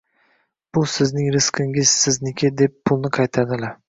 Bu sizning rizqingiz, sizniki, – deb pulni qaytardilar.